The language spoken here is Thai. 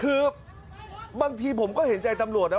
คือบางทีผมก็เห็นใจตำรวจนะ